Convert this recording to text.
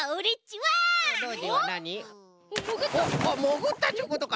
もぐったっちゅうことか！